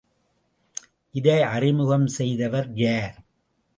இதை அறிமுகம் செய்தவர் யார்?